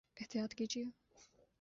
احطیاط کیجئے